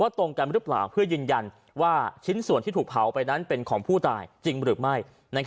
ตรงกันหรือเปล่าเพื่อยืนยันว่าชิ้นส่วนที่ถูกเผาไปนั้นเป็นของผู้ตายจริงหรือไม่